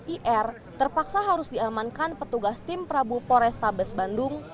ir terpaksa harus diamankan petugas tim prabu porestabes bandung